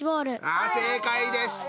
ああ正解でした。